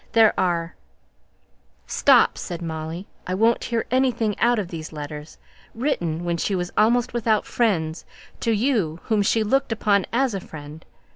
There are " "Stop," said Molly. "I won't hear anything out of these letters, written, when she was almost without friends, to you, whom she looked upon as a friend!